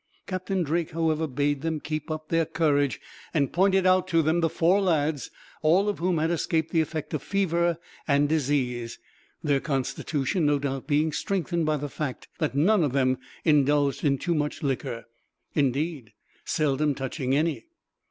Captain Drake, however, bade them keep up their courage, and pointed out to them the four lads, all of whom had escaped the effect of fever and disease, their constitution, no doubt, being strengthened by the fact that none of them indulged in too much liquor; indeed, seldom touching any.